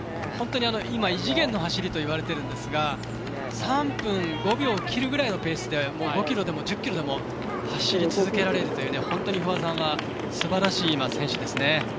本当に今、異次元の走りといわれているんですが３分５秒を切るぐらいのペースで５ｋｍでも１０ｋｍでも走り続けられるという本当に不破さんはすばらしい選手ですね。